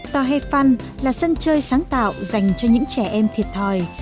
tòa hè fun là sân chơi sáng tạo dành cho những trẻ em thiệt thòi